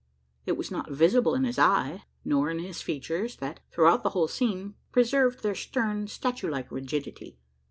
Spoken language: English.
It was not visible in his eye nor in his features that, throughout the whole scene, preserved their stern statue like rigidity.